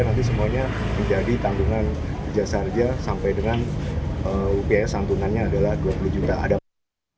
nanti semuanya menjadi tantunan jasa araharja sampai dengan rupiah santunannya adalah dua puluh juta rupiah